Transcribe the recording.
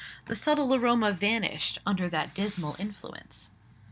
The subtle aroma vanished under that dismal influence.